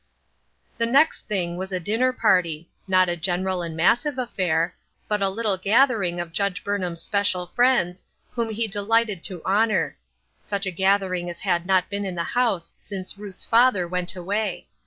The next thing was a dinner party ; not a gen eral and massive affair, but a little gathering of Judge Burnham's special friends, whom he de lighted to honor; such a gathering as had not been in the house since Ruth's father went away.